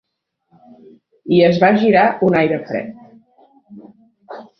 I es va girar un aire fred.